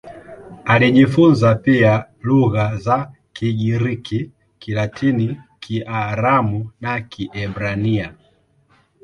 Alijifunza pia lugha za Kigiriki, Kilatini, Kiaramu na Kiebrania.